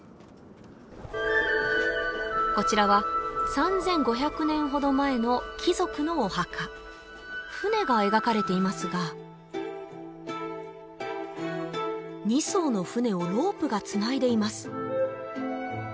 こちらは３５００年ほど前の貴族のお墓船が描かれていますが２艘の船をロープがつないでいます